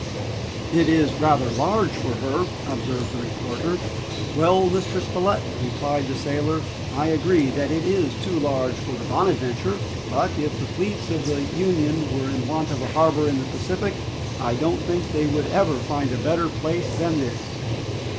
"It is rather large for her!" observed the reporter. "Well! Mr. Spilett," replied the sailor, "I agree that it is too large for the 'Bonadventure,' but if the fleets of the Union were in want of a harbor in the Pacific, I don't think they would ever find a better place than this!"